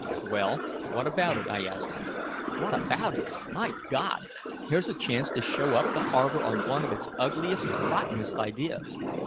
"Well, what about it?" I asked him. "What about it? My God! Here's a chance to show up the harbor on one of its ugliest, rottenest ideas!